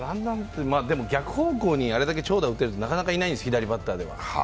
でも逆方向にあれだけ長打打てるってなかなかいないんです、左バッターで。